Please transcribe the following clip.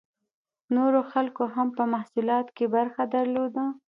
نورو خلکو هم په محصولاتو کې برخه درلوده.